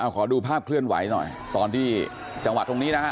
ขอดูภาพเคลื่อนไหวหน่อยตอนที่จังหวัดตรงนี้นะฮะ